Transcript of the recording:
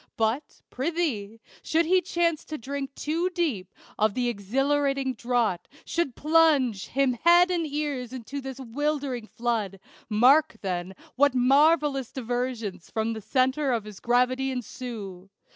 But, prithee, should he chance to drink too deep Of the exhilarating draught, should plunge Him head and ears into this 'wildering flood, Mark, then, what marvellous diversions From the centre of his gravity ensue.